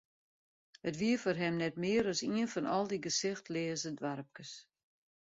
It wie foar him net mear as ien fan al dy gesichtleaze doarpkes.